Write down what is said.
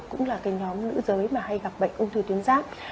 cũng là cái nhóm nữ giới mà hay gặp bệnh ung thư tuyến giáp